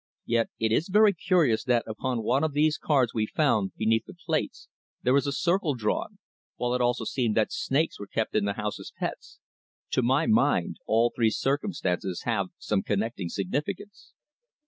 "Yet it is very curious that upon one of these cards we found beneath the plates there is a circle drawn, while it also seemed that snakes were kept in the house as pets. To my mind all three circumstances have some connecting significance."